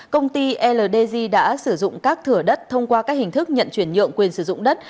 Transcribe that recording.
công ty ldg đã sử dụng các thửa đất thông qua các hình thức nhận chuyển nhượng quyền sử dụng đất